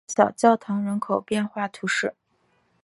戈捷小教堂人口变化图示